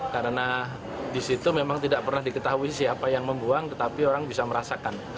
karena di situ memang tidak pernah diketahui siapa yang membuang tetapi orang bisa merasakan